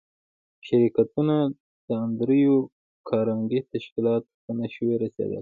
شرکتونه د انډریو کارنګي تشکیلاتو ته نشوای رسېدای